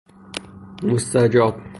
مستجاب